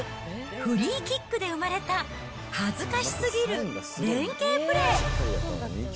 フリーキックで生まれた、恥ずかしすぎる連係プレー。